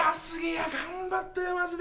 頑張ったよ。